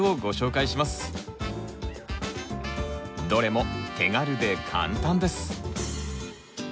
どれも手軽で簡単です！